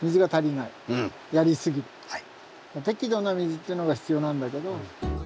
適度な水っていうのが必要なんだけど。